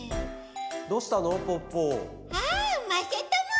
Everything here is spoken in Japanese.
どうしたの？